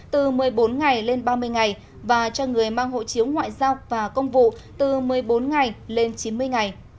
từ một mươi bốn ngày lên ba mươi ngày và cho người mang hộ chiếu ngoại giao và công vụ từ một mươi bốn ngày lên chín mươi ngày